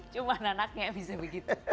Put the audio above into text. cuman anaknya yang bisa begitu